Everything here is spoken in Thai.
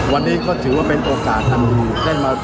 วันนี้ก็ถือว่าเป็นโอกาสทันดี